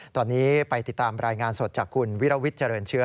ตอนนี้ไปติดตามรายงานสดจากคุณวิรวิทย์เจริญเชื้อ